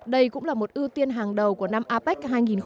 đây cũng là một ưu tiên hàng đầu của năm apec hai nghìn một mươi bảy